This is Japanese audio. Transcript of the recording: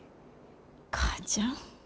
母ちゃん。